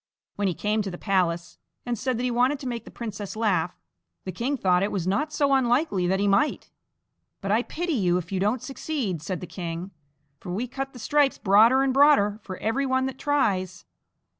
When he came to the palace, and said that he wanted to make the princess laugh, the king thought that it was not so unlikely that he might; "but I pity you, if you don't succeed," said the king, "for we cut the stripes broader and broader for every one that tries."